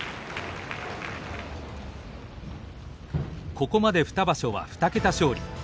ここまで２場所は２桁勝利。